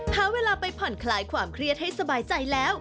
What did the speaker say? หาเวลาไปผ่อนคลายความเครียดให้สบายใจแล้ว